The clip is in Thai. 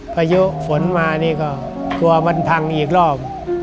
พายุฝนมานี่ก็กลัวมันพังอีกรอบ